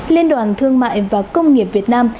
liên đoàn thương mại và công nghiệp việt nam